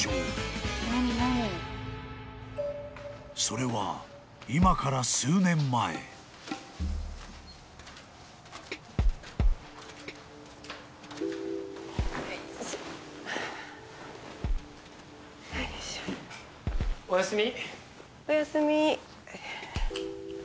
［それは今から］おやすみ。おやすみ。